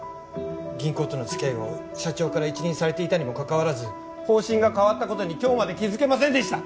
銀行とのつきあいを社長から一任されていたにもかかわらず方針が変わったことに今日まで気づけませんでした